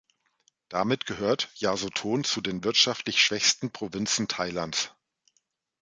Damit gehört Yasothon zu den wirtschaftlich schwächsten Provinzen Thailands.